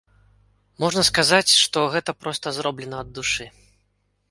Можна сказаць, што гэта проста зроблена ад душы.